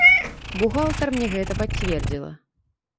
Бухгалтар мне гэта пацвердзіла.